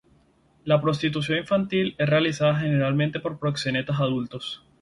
La prostitución infantil es realizada generalmente por proxenetas adultos.